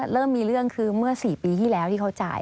เริ่มมีเรื่องคือเมื่อ๔ปีที่แล้วที่เขาจ่าย